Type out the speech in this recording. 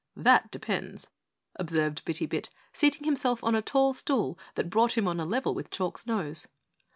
"That depends," observed Bitty Bit, seating himself on a tall stool that brought him on a level with Chalk's nose.